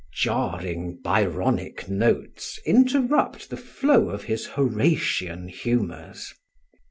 Jarring Byronic notes interrupt the flow of his Horatian humours.